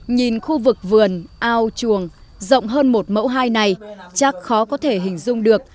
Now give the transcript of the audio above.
nhìn khu vực vườn ao chuồng rộng hơn một mẫu hai này chắc khó có thể hình dung được